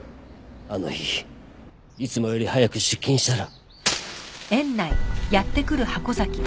あの日いつもより早く出勤したら。